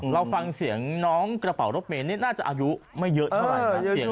เราฟังเสียงน้องกระเป๋ารถเมย์นี่น่าจะอายุไม่เยอะเท่าไหร่นะ